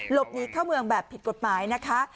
หนีเข้าเมืองแบบผิดกฎหมายนะคะ